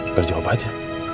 udah jawab aja